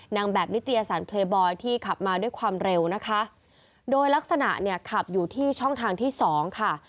นางแบบนิตยสารเพลย์บอยที่ขับมาด้วยความเร็วนะคะโดยลักษณะเนี่ยขับอยู่ที่ช่องทางที่สองค่ะ